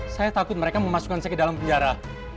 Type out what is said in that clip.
saya takut mereka memasukkan saya ke dalam penjara